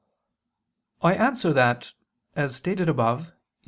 I answer that, As stated above (A.